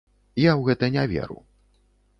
Я ў гэта не веру.